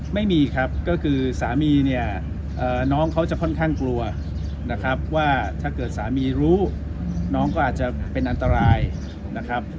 ไม่มีครับก็คือสามีเนี่ยน้องเขาจะค่อนข้างกลัวนะครับว่าถ้าเกิดสามีรู้น้องก็อาจจะเป็นอันตรายนะครับ